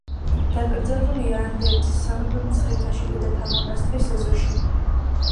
დაკრძალულია ანდერძისამებრ მცხეთაში, დედათა მონასტრის ეზოში.